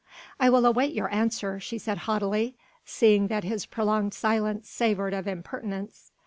"I still await your answer," she said haughtily, seeing that his prolonged silence savoured of impertinence.